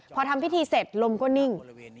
พอทำพิธีเสร็จลมก็นิ่ง